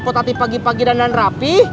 kok tati pagi pagi dandan rapi